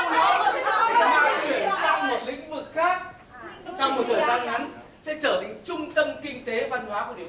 chúng ta chuyển sang một lĩnh vực khác trong một thời gian ngắn sẽ trở thành trung tâm kinh tế văn hóa của địa phương